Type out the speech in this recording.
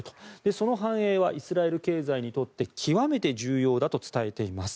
その繁栄はイスラエル経済にとって極めて重要だと伝えています。